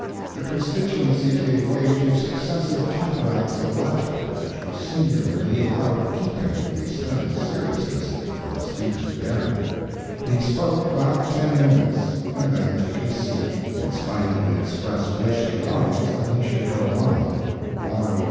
The constituency gave way to successive cataracts of laughter, which was singularly out of keeping with the stern seriousness of the speaker's bearing. He spoke about ten minutes, and then took his seat, in spite of the express wish of the audience that he should go on. Hon.